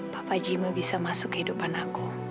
bapak jimi bisa masuk kehidupan aku